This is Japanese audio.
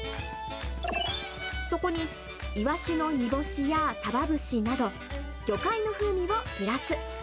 そこにイワシの煮干しやサバ節など、魚介の風味をプラス。